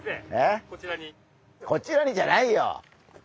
こちらにじゃないよ。